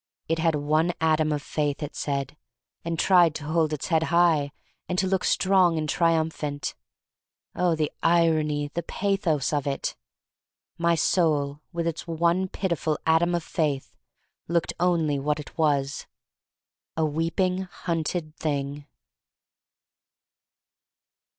It had one atom of faith, it said, and tried to hold its head high and to look strong and trium phant. Oh, the irony — the pathos of it! My soul, with its one pitiful atom of faith, looked only what it was — a weep ing, hunted thing.